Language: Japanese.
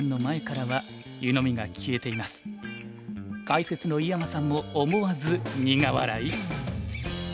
解説の井山さんも思わず苦笑い？